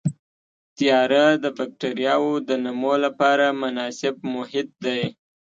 تیاره د بکټریاوو د نمو لپاره مناسب محیط دی.